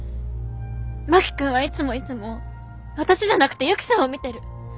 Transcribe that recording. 真木君はいつもいつも私じゃなくてユキさんを見てる。